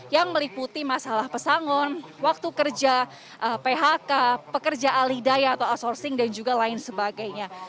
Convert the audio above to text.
yang meliputi masalah pesangon waktu kerja phk pekerja alidayah atau outsourcing dan juga lain sebagainya